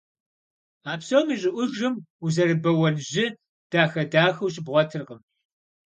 А псом и щӀыӀужым узэрыбэуэн жьы дахэ-дахэу щыбгъуэтыркъым.